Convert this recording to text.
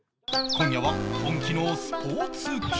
今夜は本気のスポーツ企画